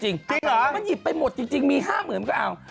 จริงเหรอมันหยิบไปหมดจริงมีห้าหมื่นมันก็เอา